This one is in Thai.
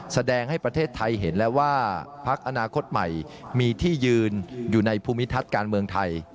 แสดงให้ประเทศไทยเห็นแล้วว่าพักอนาคตใหม่มีที่ยืนอยู่ในภูมิทัศน์การเมืองไทย